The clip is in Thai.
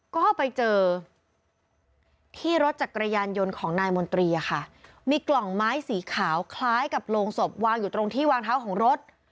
ก็ไปเจอที่รถจักรยานยนต์ของนายมนตรีอะค่ะมีกล่องไม้สีขาวคล้ายกับโรงศพวางอยู่ตรงที่วางเท้าของรถ